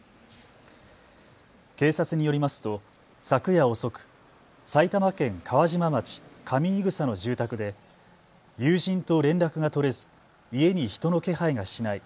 警察によりますと昨夜遅く埼玉県川島町上伊草の住宅で友人と連絡が取れず家に人の気配がしない。